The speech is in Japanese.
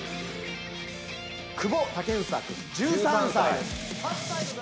久保建英君１３歳です。